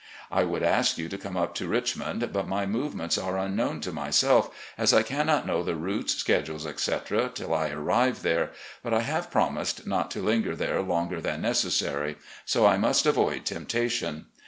I would ask you to come up to Richmond, but my movements are unknown to myself, as I cannot know the routes, schedules, etc., till I arrive there, but I have promised not to linger there longer than necessary; so I must avoid temptation.